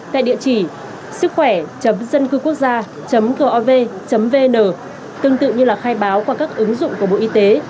theo địa chỉ sứckhoẻ dâncưquốcgia gov vn tương tự như là khai báo qua các ứng dụng của bộ y tế